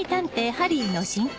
『ハリー』の新刊！